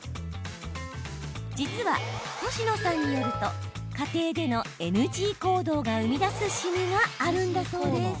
実は、星野さんによると家庭でのＮＧ行動が生み出すしみがあるんだそうです。